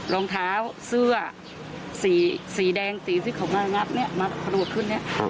รองเท้าเสื้อสีแดงสีที่เขาแนบมารวดขึ้น